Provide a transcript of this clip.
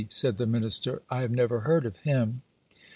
said the minister; "I have never heard of him."